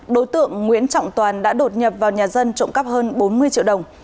đối tượng nguyễn trọng toàn đã đột nhập vào nhà dân trộm cắp hơn bốn mươi triệu đồng